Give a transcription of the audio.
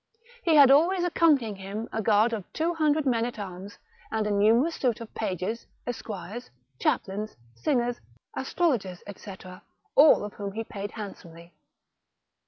He had, always accompanying him, a guard of two hundred men at arms, and a numerous suit of pages, esquires, chap lains, singers, astrologers, &c., all of whom he paid handsomely.